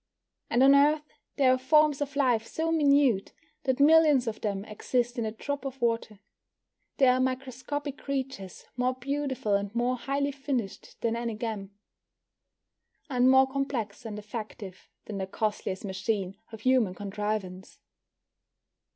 And on Earth there are forms of life so minute that millions of them exist in a drop of water. There are microscopic creatures more beautiful and more highly finished than any gem, and more complex and effective than the costliest machine of human contrivance.